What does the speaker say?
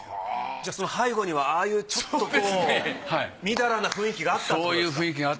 じゃあその背後にはああいうちょっとこう淫らな雰囲気があったってことですか？